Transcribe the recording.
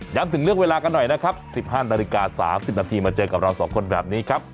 ถึงเลือกเวลากันหน่อยนะครับ๑๕นาฬิกา๓๐นาทีมาเจอกับเราสองคนแบบนี้ครับ